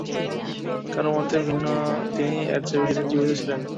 কারও মতে, তিনি এর চেয়ে বেশিদিন জীবিত ছিলেন।